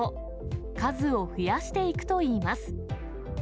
数を増やしていくといいます。